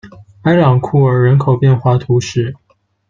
埃朗库尔人口变化图示